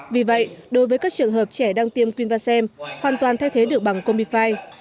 vì vậy đối với các trường hợp trẻ đang tiêm queenvacem hoàn toàn thay thế được bằng combi năm